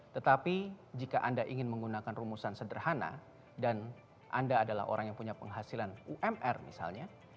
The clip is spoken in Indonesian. tetapi jika anda ingin menggunakan rumusan sederhana dan anda adalah orang yang punya penghasilan umr misalnya